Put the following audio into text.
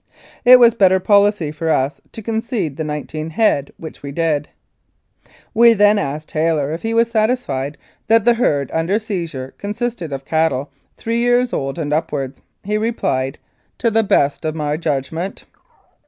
It was better policy for us to concede the nineteen head, which we did. We then asked Taylor if he was satisfied that the herd under seizure consisted of cattle three years old and upwards. He replied, "To the best of my judgment."